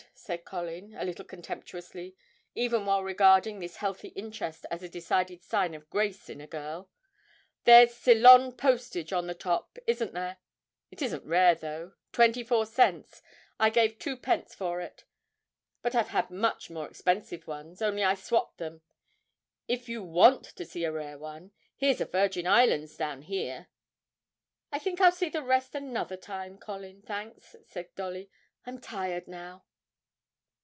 said Colin, a little contemptuously, even while regarding this healthy interest as a decided sign of grace in a girl: 'there's "Ceylon Postage" on the top, isn't there? It isn't rare, though twenty four cents I gave twopence for it; but I've had much more expensive ones, only I swopped them. If you want to see a rare one, here's a Virgin Islands down here ' 'I think I'll see the rest another time, Colin, thanks,' said Dolly; 'I'm tired now.'